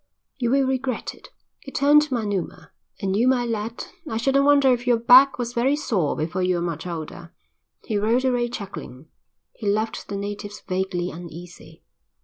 "You will regret it." He turned to Manuma. "And you, my lad, I shouldn't wonder if your back was very sore before you're much older." He rode away chuckling. He left the natives vaguely uneasy.